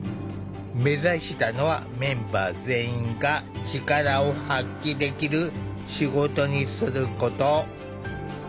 目指したのはメンバー全員が力を発揮できる仕事にすること。